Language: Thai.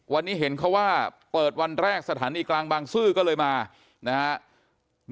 วันนี้เห็นเขาว่าเปิดวันแรกสถานีกลางบางซื่อก็เลยมานะครับ